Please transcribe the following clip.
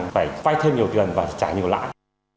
phải vay thêm nhiều tiền và trả nhiều lãi